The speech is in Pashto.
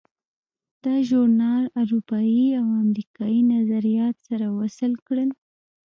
دا ژورنال اروپایي او امریکایي نظریات سره وصل کړل.